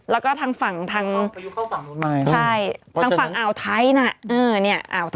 แล้วก็ทางฝั่งทางใช่ทางฝั่งอ่าวไทยนะอ่าวไทยจะโดนหมด